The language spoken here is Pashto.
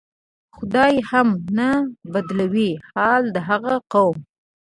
"خدای هم نه بدلوي حال د هغه قوم".